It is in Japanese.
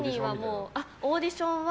オーディションは。